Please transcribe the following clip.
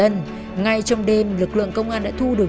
ngay trong đêm lực lượng công an đã thu được